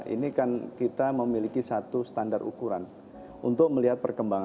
ini kan kita memiliki satu standar ukuran untuk melihat perkembangan